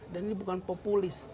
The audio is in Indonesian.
dan ini bukan populis